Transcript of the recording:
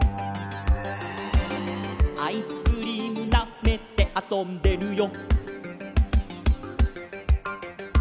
「アイスクリームなめてあそんでるよ」